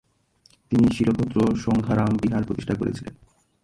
তিনি 'শীলভদ্র সংঘারাম বিহার' প্রতিষ্ঠা করেছিলেন।